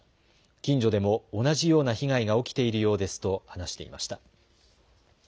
近所でも同じような被害が起きているようですと話していました。